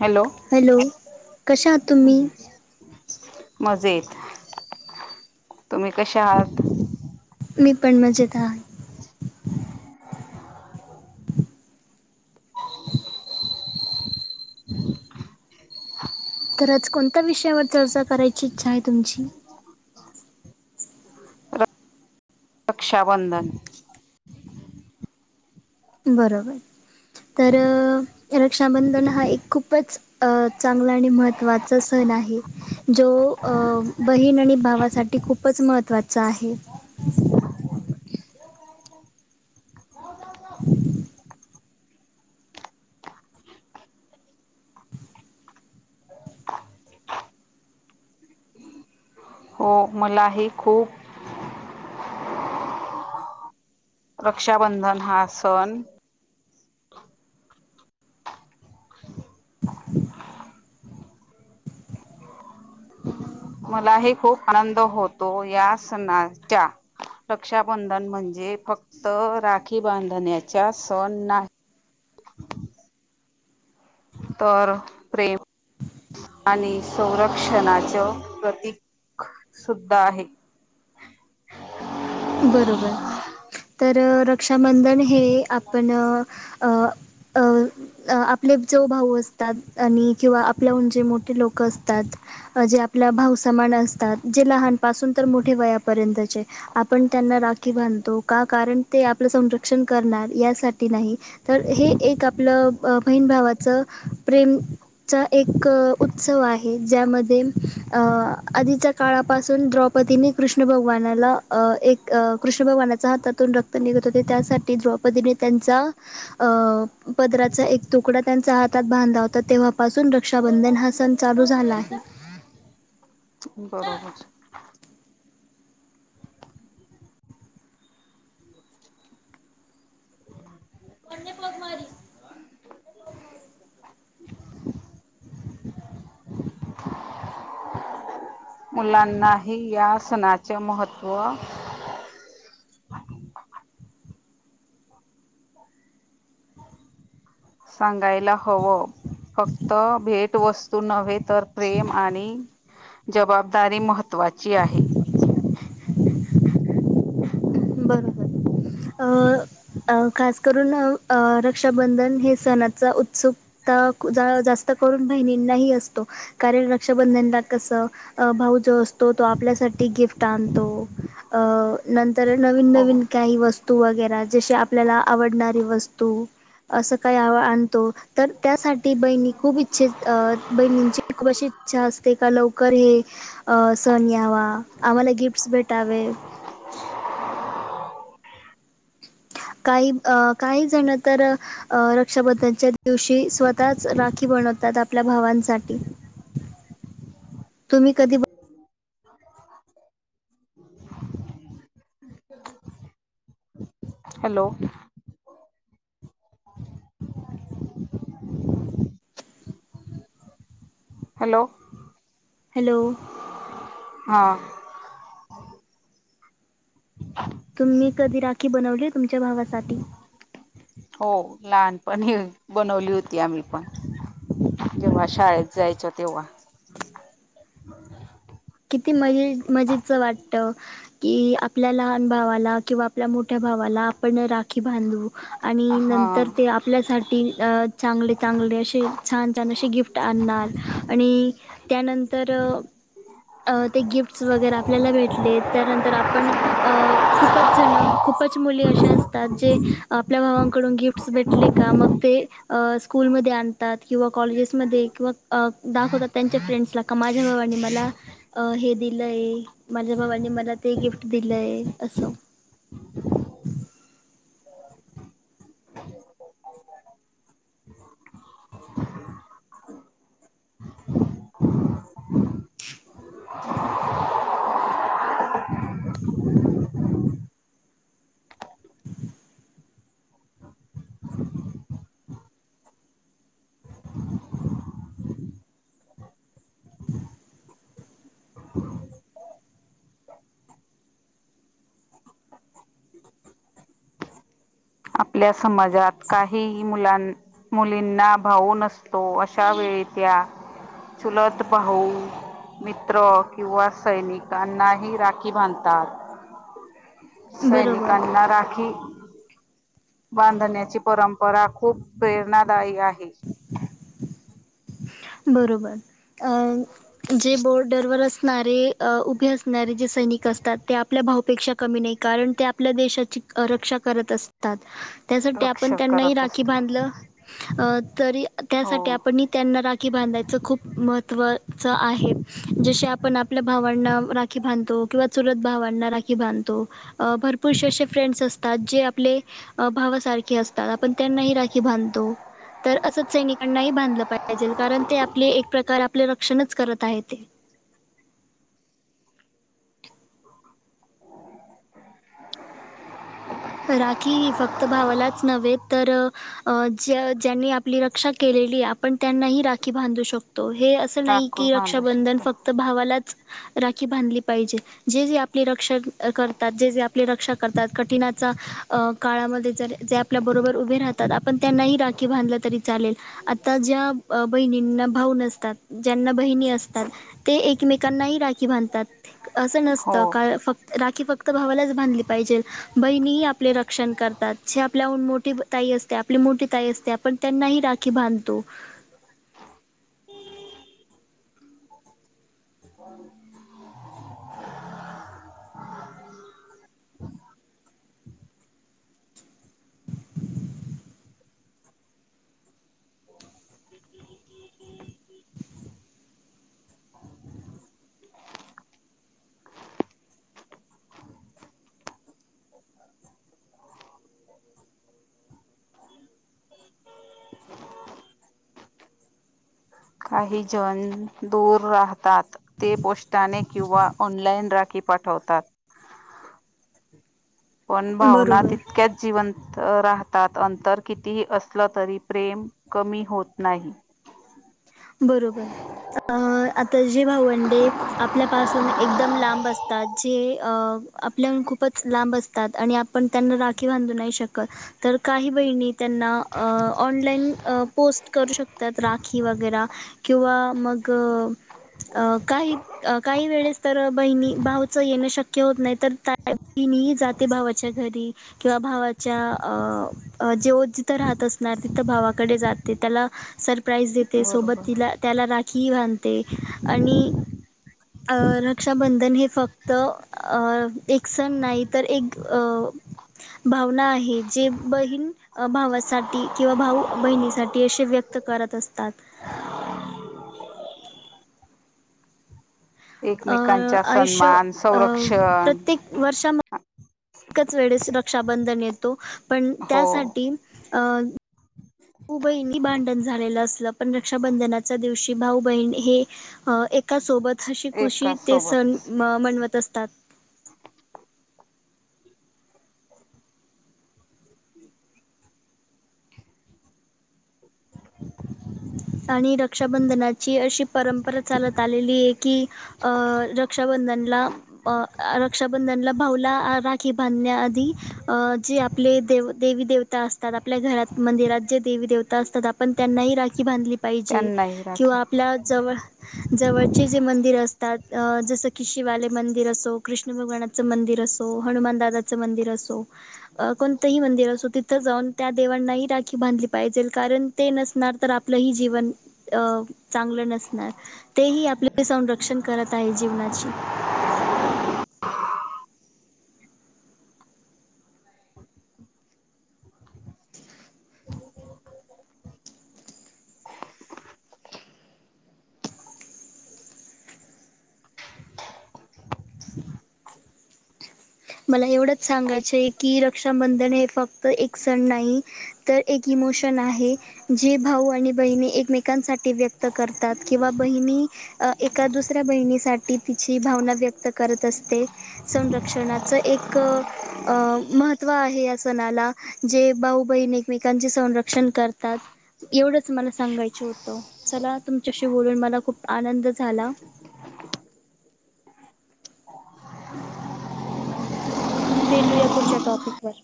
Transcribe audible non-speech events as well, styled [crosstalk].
Hello hello कशा आहात तुम्ही हम्म. मजेत, तुम्ही कशा आहात? मी पण मजेत आहे. [inaudible] खरच कोणत्या विषयावर चर्चा करायची इच्छा आहे तुमची? रक्षाबंधन. बरोबर, तर रक्षाबंधन हा एक खूपच चांगला आणि महत्त्वाचा सण आहे जो अ बहीण आणि भावासाठी खूपच महत्त्वाचा आहे. [inaudible] हो मलाही खूप रक्षाबंधन हा सण मलाही खूप आनंद होतो या सणाच्या रक्षाबंधन म्हणजे फक्त राखी बांधण्याच्या सण नाही तर प्रेम आणि संरक्षणच प्रतीक सुद्धा आहे. बरोबर, तर रक्षाबंधन हे आपण अ अ. आपले जो भाऊ असतात आणि किंवा आपल्याहून जे मोठे लोक असतात जे आपला भाऊ समान असतात, जे लहानपासून तर मोठे वयापर्यंतचे आपण त्यांना राखी बांधतो का कारण ते आपलं संरक्षण करणार यासाठी नाही तर हे एक आपलं बहीण भावाचं प्रेम च एक उत्सव आहे ज्यामध्ये अ आधीचा काळापासून द्रौपदीने कृष्ण भगवानाला अ एक कृष्ण भगवानाचा हातातून रक्त निघत होते त्यासाठी द्रौपदीने त्यांचा अ पदराचा एक तुकडा त्यांचा हातात बांधला होता तेव्हापासून रक्षा बंधन हा सण चालू झाला आहे. बरोबर. [inaudible] [inaudible] मुलांनाही या सणाचे महत्व सांगायला हवं. फक्त भेटवस्तू नव्हे तर प्रेम आणि जबाबदारी महत्त्वाची आहे. बरोबर अ अ खास करून रक्षाबंधन हे सणाचा उत्सुक ता जास्त करून बहिणींनाही असतो कारण रक्षाबंधनला कसं भाऊ जो असतो तो आपल्यासाठी गिफ्ट आणतो अ नंतर नवीन हो नवीन काही वस्तू तू वगैरा, जशी आपल्याला आवडणारी वस्तू, असं काही आणतो तर त्यासाठी बहिणी खूप बहिणीची खूप अशी इच्छा असते का लव कर हे सण यावा, आम्हाला गिफ्टस भेटावे काही अ काही जण तर अं रक्षाबंधनच्या दिवशी स्वतःच राखी बनवतात आपल्या भावांसाठी तुम्ही कधी म आहे [inaudible] हॅलो! हॅलो! हॅलो! हा ह [unintelligible] तुम्ही कधी राखी बनवली तुमच्या भावासाठी. हो लहानपणी बनवली होती. आम्ही पण जेव्हा शाळेत जायचो तेव्हा. हं [inaudible] किती मजे मजेचं वाटतं. कि आपल्या लहान भावाला किंवा आपल्या मोठ्या भावाला आपण राखी बांधू. आणि हा नंतर ते आपल्यासाठी चांगले चांगले असे छान छान असे गिफ्ट गिफ्ट आणणार आणि त्यानंतर. अ ते गिफ्टस वगैरे आपल्याला भेटले त्यानंतर आपण, अ खूपच जण खूपच मुली अशा असतात जे, आपल्या भावांकडून गिफ्टस भेटले का मग ते अ मध्ये स्कूल आणतात. किंवा कॉलेजेसमध्ये किंवा दाखवतात त्यांच्या फ्रेंड्स ला क माझ्या भावांनी मला, अ हे दिलंय माझ्या भावांनी मला ते गिफ्ट दिलंय असं, हम् [inaudible] आपल्या समाजात काहीही मुलां मुलींना भाऊ नसतो, अशा वेळी त्या चूलत भाऊ. मित्र किंवा सैनिकांनाही राखी बांधतात. बरोबर सैनिकांना राखी बांधण्याची परंपरा खूप प्रेरणादायी आहे. हं [inaudible] बरोबर अं जे बौर्डरवर असणारे उभे असणारे जे सैनिक असतात, ते आपल्या भाऊपेक्षा कमी नाही कारण ते आपल्या देशाची रक्षा करत असतात. त्यासाठी आपण रक्षक त्यांनाही करत राखी असत बांधलं, तरी त्यासाठी हो आपण ही त्यांना राख खी बांधायच खूप महत्त्वच आहे जसे आपण आपल्या भावांना राीखी बांधतो किंवा चुलत भावांना राखी बांधतो भरपूरसेे असे फ्रेंडस असतं तात. जे आपले भावासारखे असतात आपण त्यांनाही राखी बांधतो. तर असंच सैनिकांनाही बांधलं पाहिजेल. कारण ते आपले एक प्रकार आपले रक्षणच करत आहेत ते. राखी ही फक्त भावालाच नव्हे तर, अ ज ज्यांनी आपली रक्षा केलेली आपण त्यांनाही राखी बांधू शकतो हे अस नाही राखूळ की बांधू रक्षाबंधन शकतो. फक्त भावालाच, राखी बांधली पाहिजे, जे जे आपले रक्षा करतात जे जे आपले रक्षा करतात कठीण चा काळामध्ये जर जे आपल्याबरोबर उभे राहतात. आपण त्यांनाही राखी बांधलं तरी चालेल. आता ज्या बहिणींना भाऊ नसतात. ज्यांना बहिणी असतात. ते एकमेकांनाही राखी बांधतात. असं नसतं हो का फक् राखी फक्त भावालाच बांधली पाहिजेल. बहिणीही आपले रक्षण करतात जे आपल्याहून मोठी ताई असते आपली मोठी ताई असते आपण त्यांनाही राखी बांधतो. काही जण दूर राहतात. ते पोस्टाने किंवा ऑनलाइन राखी पाठवतात. पण भावना बरोबर तितक्याच जिवंत राहतात अंतर कितीही असलं तरी प्रेम कमी होत नाही. बरोबर अ आता जे भावंडे आपल्यापासून एकदम लांब असतात जे अ आपल्याहून खूपच लांब अस तात आणि आपण त्यांना राखी बांधू नाही शकत. तर काही बहिणी त्यांना अ ऑनलाईन अ पोस्ट करू शकतात राखी वगैरा. किंवा मग, अ काही काही वेळेस तर बहिणी भाऊचं येणं शक्य होत नाही तर ता बहीणही जाते भावाच्या घरी किंवा भावाच्या अ जेव जिथं राहत असणार तिथं भावाकडे जाते त्याला सरप्राईज देते सोबत बरोबर. तिला त्याला राखीही बांधते आणि अ रक्षाबंधन हे फक्त एक सण नाही तर एक अ भावना आहे जे बहीण अ भावासाठी किंवा भाऊ बहिणीसाठी असे व्यक्त करत असतात. अ एकमेकांचा आयुष्य सन्मान, अ संरक्षण प्रत्येक वर्षा म एकच वेळेस रक्षाबंधन येतो पण हो त्यासाठी अ भाऊ बहिणी भांडण झालेलं असलं पण रक्षाबंधनाच्या दिवशी भाऊ बहिण हे एक का सोबत हशी कुशी एकाच ते सण सोबतच मनवत असतात. आणि रक्षाबंधनाची अशी परंपरा चालत आलेली आहे की अ रक्षाबंधनला अ रक्षाबंधनला भाऊला राखी बांधण्या आधी अ जे आपले दे देवी देवता असतात आपल्या घरात मंदिरात जे देवी देवता असतात आपण त्यांनाही राखी बांधली पाहिजे त्यांनाही किंवा राखीव आपल्या जवळ जवळचे जे मंदिर असतात जसं कि शिवालंय मंदिर असो कृष्ण भगवान चं मंदिर असो हनुमान दादाचं मंदिर असो. कोणतंही मंदिर असो तिथं जाऊन त्या देवांनाही राखी बांधली पाहिजे कारण ते नसणार तर आप लई जिवन अ चांगलं नसणार. तेही आपलं सौरक्षण करत आहे जीवनाची. मला एवढंच सांगायचं हे की रक्षाबंधन हे फक्त एक सण नाही, तर एक इमोशन आहे. जे भाऊ आणि बहीण एकमेकांसाठी व्यक्त करतात किंवा बहिणी अ एखाद दुसऱ्या बहिणीसाठी तिची भावना व्यक्त करत असते सौरक्षणात. च एक अ महत्व आहे या सणाला. जे भाऊ-बहीण एकमेकांचे सौरक्षण करतात, एवढंच मला सांगायचं होतं चला तुमच्याशी बोलून मला खूप आनंद झाला. भेटूया पुढच्या टॉपिक वर.